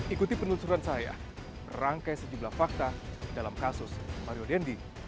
ikuti penelusuran saya rangkai sejumlah fakta dalam kasus mario dendi dan david ozora